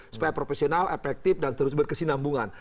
supaya profesional efektif dan terus berkesinambungan